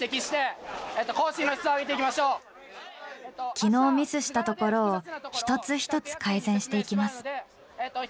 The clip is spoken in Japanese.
昨日ミスしたところを一つ一つ改善していきます。